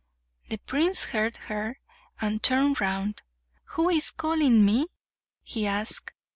The prince heard her, and turned round. "Who is calling me?" he asked.